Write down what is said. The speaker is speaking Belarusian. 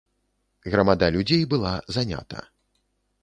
Грамада людзей была занята.